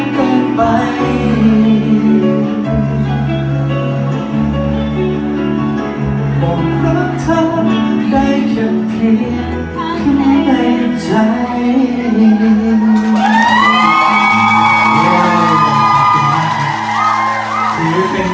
ก็เพราะรักมันต่างกันมากเกินไป